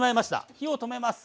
火を止めます。